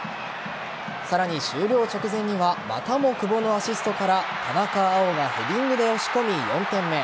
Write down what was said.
さらに終了直前にはまたも久保のアシストから田中碧がヘディングで押し込み４点目。